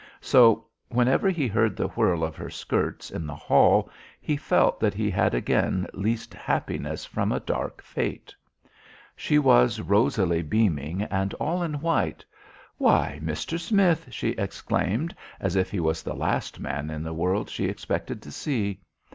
So whenever he heard the whirl of her skirts in the hall he felt that he had again leased happiness from a dark fate. She was rosily beaming and all in white. "Why, Mister Smith," she exclaimed, as if he was the last man in the world she expected to see.